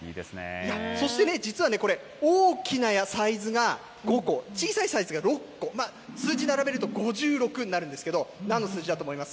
そして、実はこれ、大きなサイズが５個、小さいサイズが６個、数字並べると、５６になるんですけえっ？